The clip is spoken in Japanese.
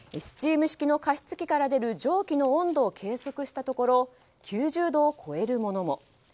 スチーム式の加湿器から出る蒸気の温度を計測したところ９０度を超えるものも。